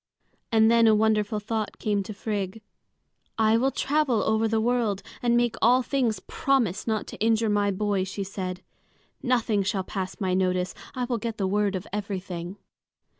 And then a wonderful thought came to Frigg. "I will travel over the world and make all things promise not to injure my boy," she said. "Nothing shall pass my notice. I will get the word of everything."